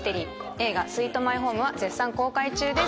映画『スイート・マイホーム』は絶賛公開中です。